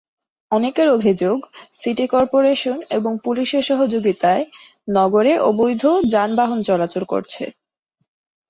অনেকের অভিযোগ, city corporation এবং পুলিশের সহযোগিতায় নগরে অবৈধ যানবাহন চলাচল করছে।